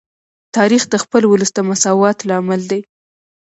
تاریخ د خپل ولس د مساوات لامل دی.